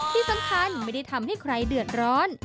ที่สำคัญไม่ได้ทำให้ใครเดือดร้อน